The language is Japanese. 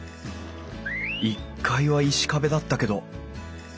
１階は石壁だったけど。